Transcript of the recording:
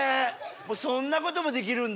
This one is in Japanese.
もうそんなこともできるんだ。